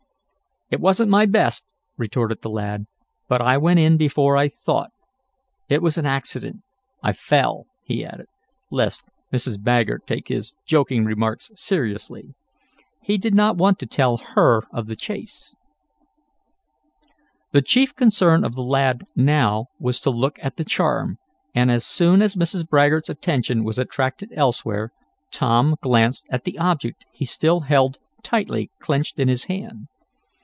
"It isn't my best," retorted the lad. "But I went in before I thought. It was an accident; I fell," he added, lest Mrs. Baggert take his joking remarks seriously. He did not want to tell her of the chase. The chief concern of the lad now was to look at the charm and, as soon as Mrs. Baggert's attention was attracted elsewhere, Tom glanced at the object he still held tightly clenched in his hand.